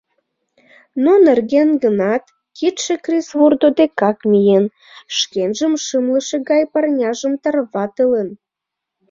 Но нерен гынат, кидше крис вурдо декак миен, шкенжым шымлыше гай парняжым тарватылын.